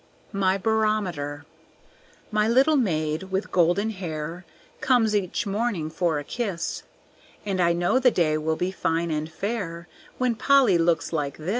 My Barometer My little maid with golden hair Comes each morning for a kiss; And I know the day will be fine and fair When Polly looks like this.